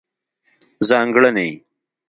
ځانګړنې: